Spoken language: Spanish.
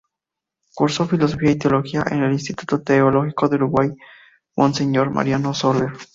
Cursó Filosofía y Teología en el Instituto Teológico del Uruguay Monseñor Mariano Soler.